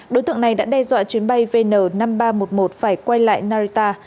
đối tượng này đã đe dọa chuyến bay vn năm nghìn ba trăm một mươi một phải quay lại narita